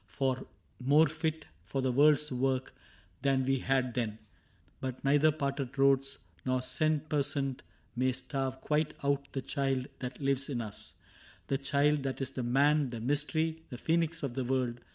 More fit for the world's work than we had then ; But neither parted roads nor cent per cent May starve quite out the child that lives in us — The Child that is the Man, the Mystery, The Phcenix of the World.